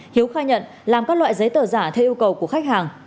hiếu khai nhận làm các loại giấy tờ giả theo yêu cầu của khách hàng